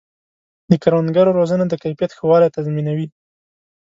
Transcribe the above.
د کروندګرو روزنه د کیفیت ښه والی تضمینوي.